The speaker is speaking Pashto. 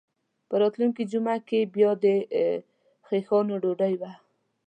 په راتلونکې جمعه یې بیا د خیښانو ډوډۍ وه.